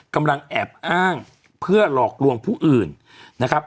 กำลังแอบอ้างเพื่อหลอกลวงผู้อื่นนะครับ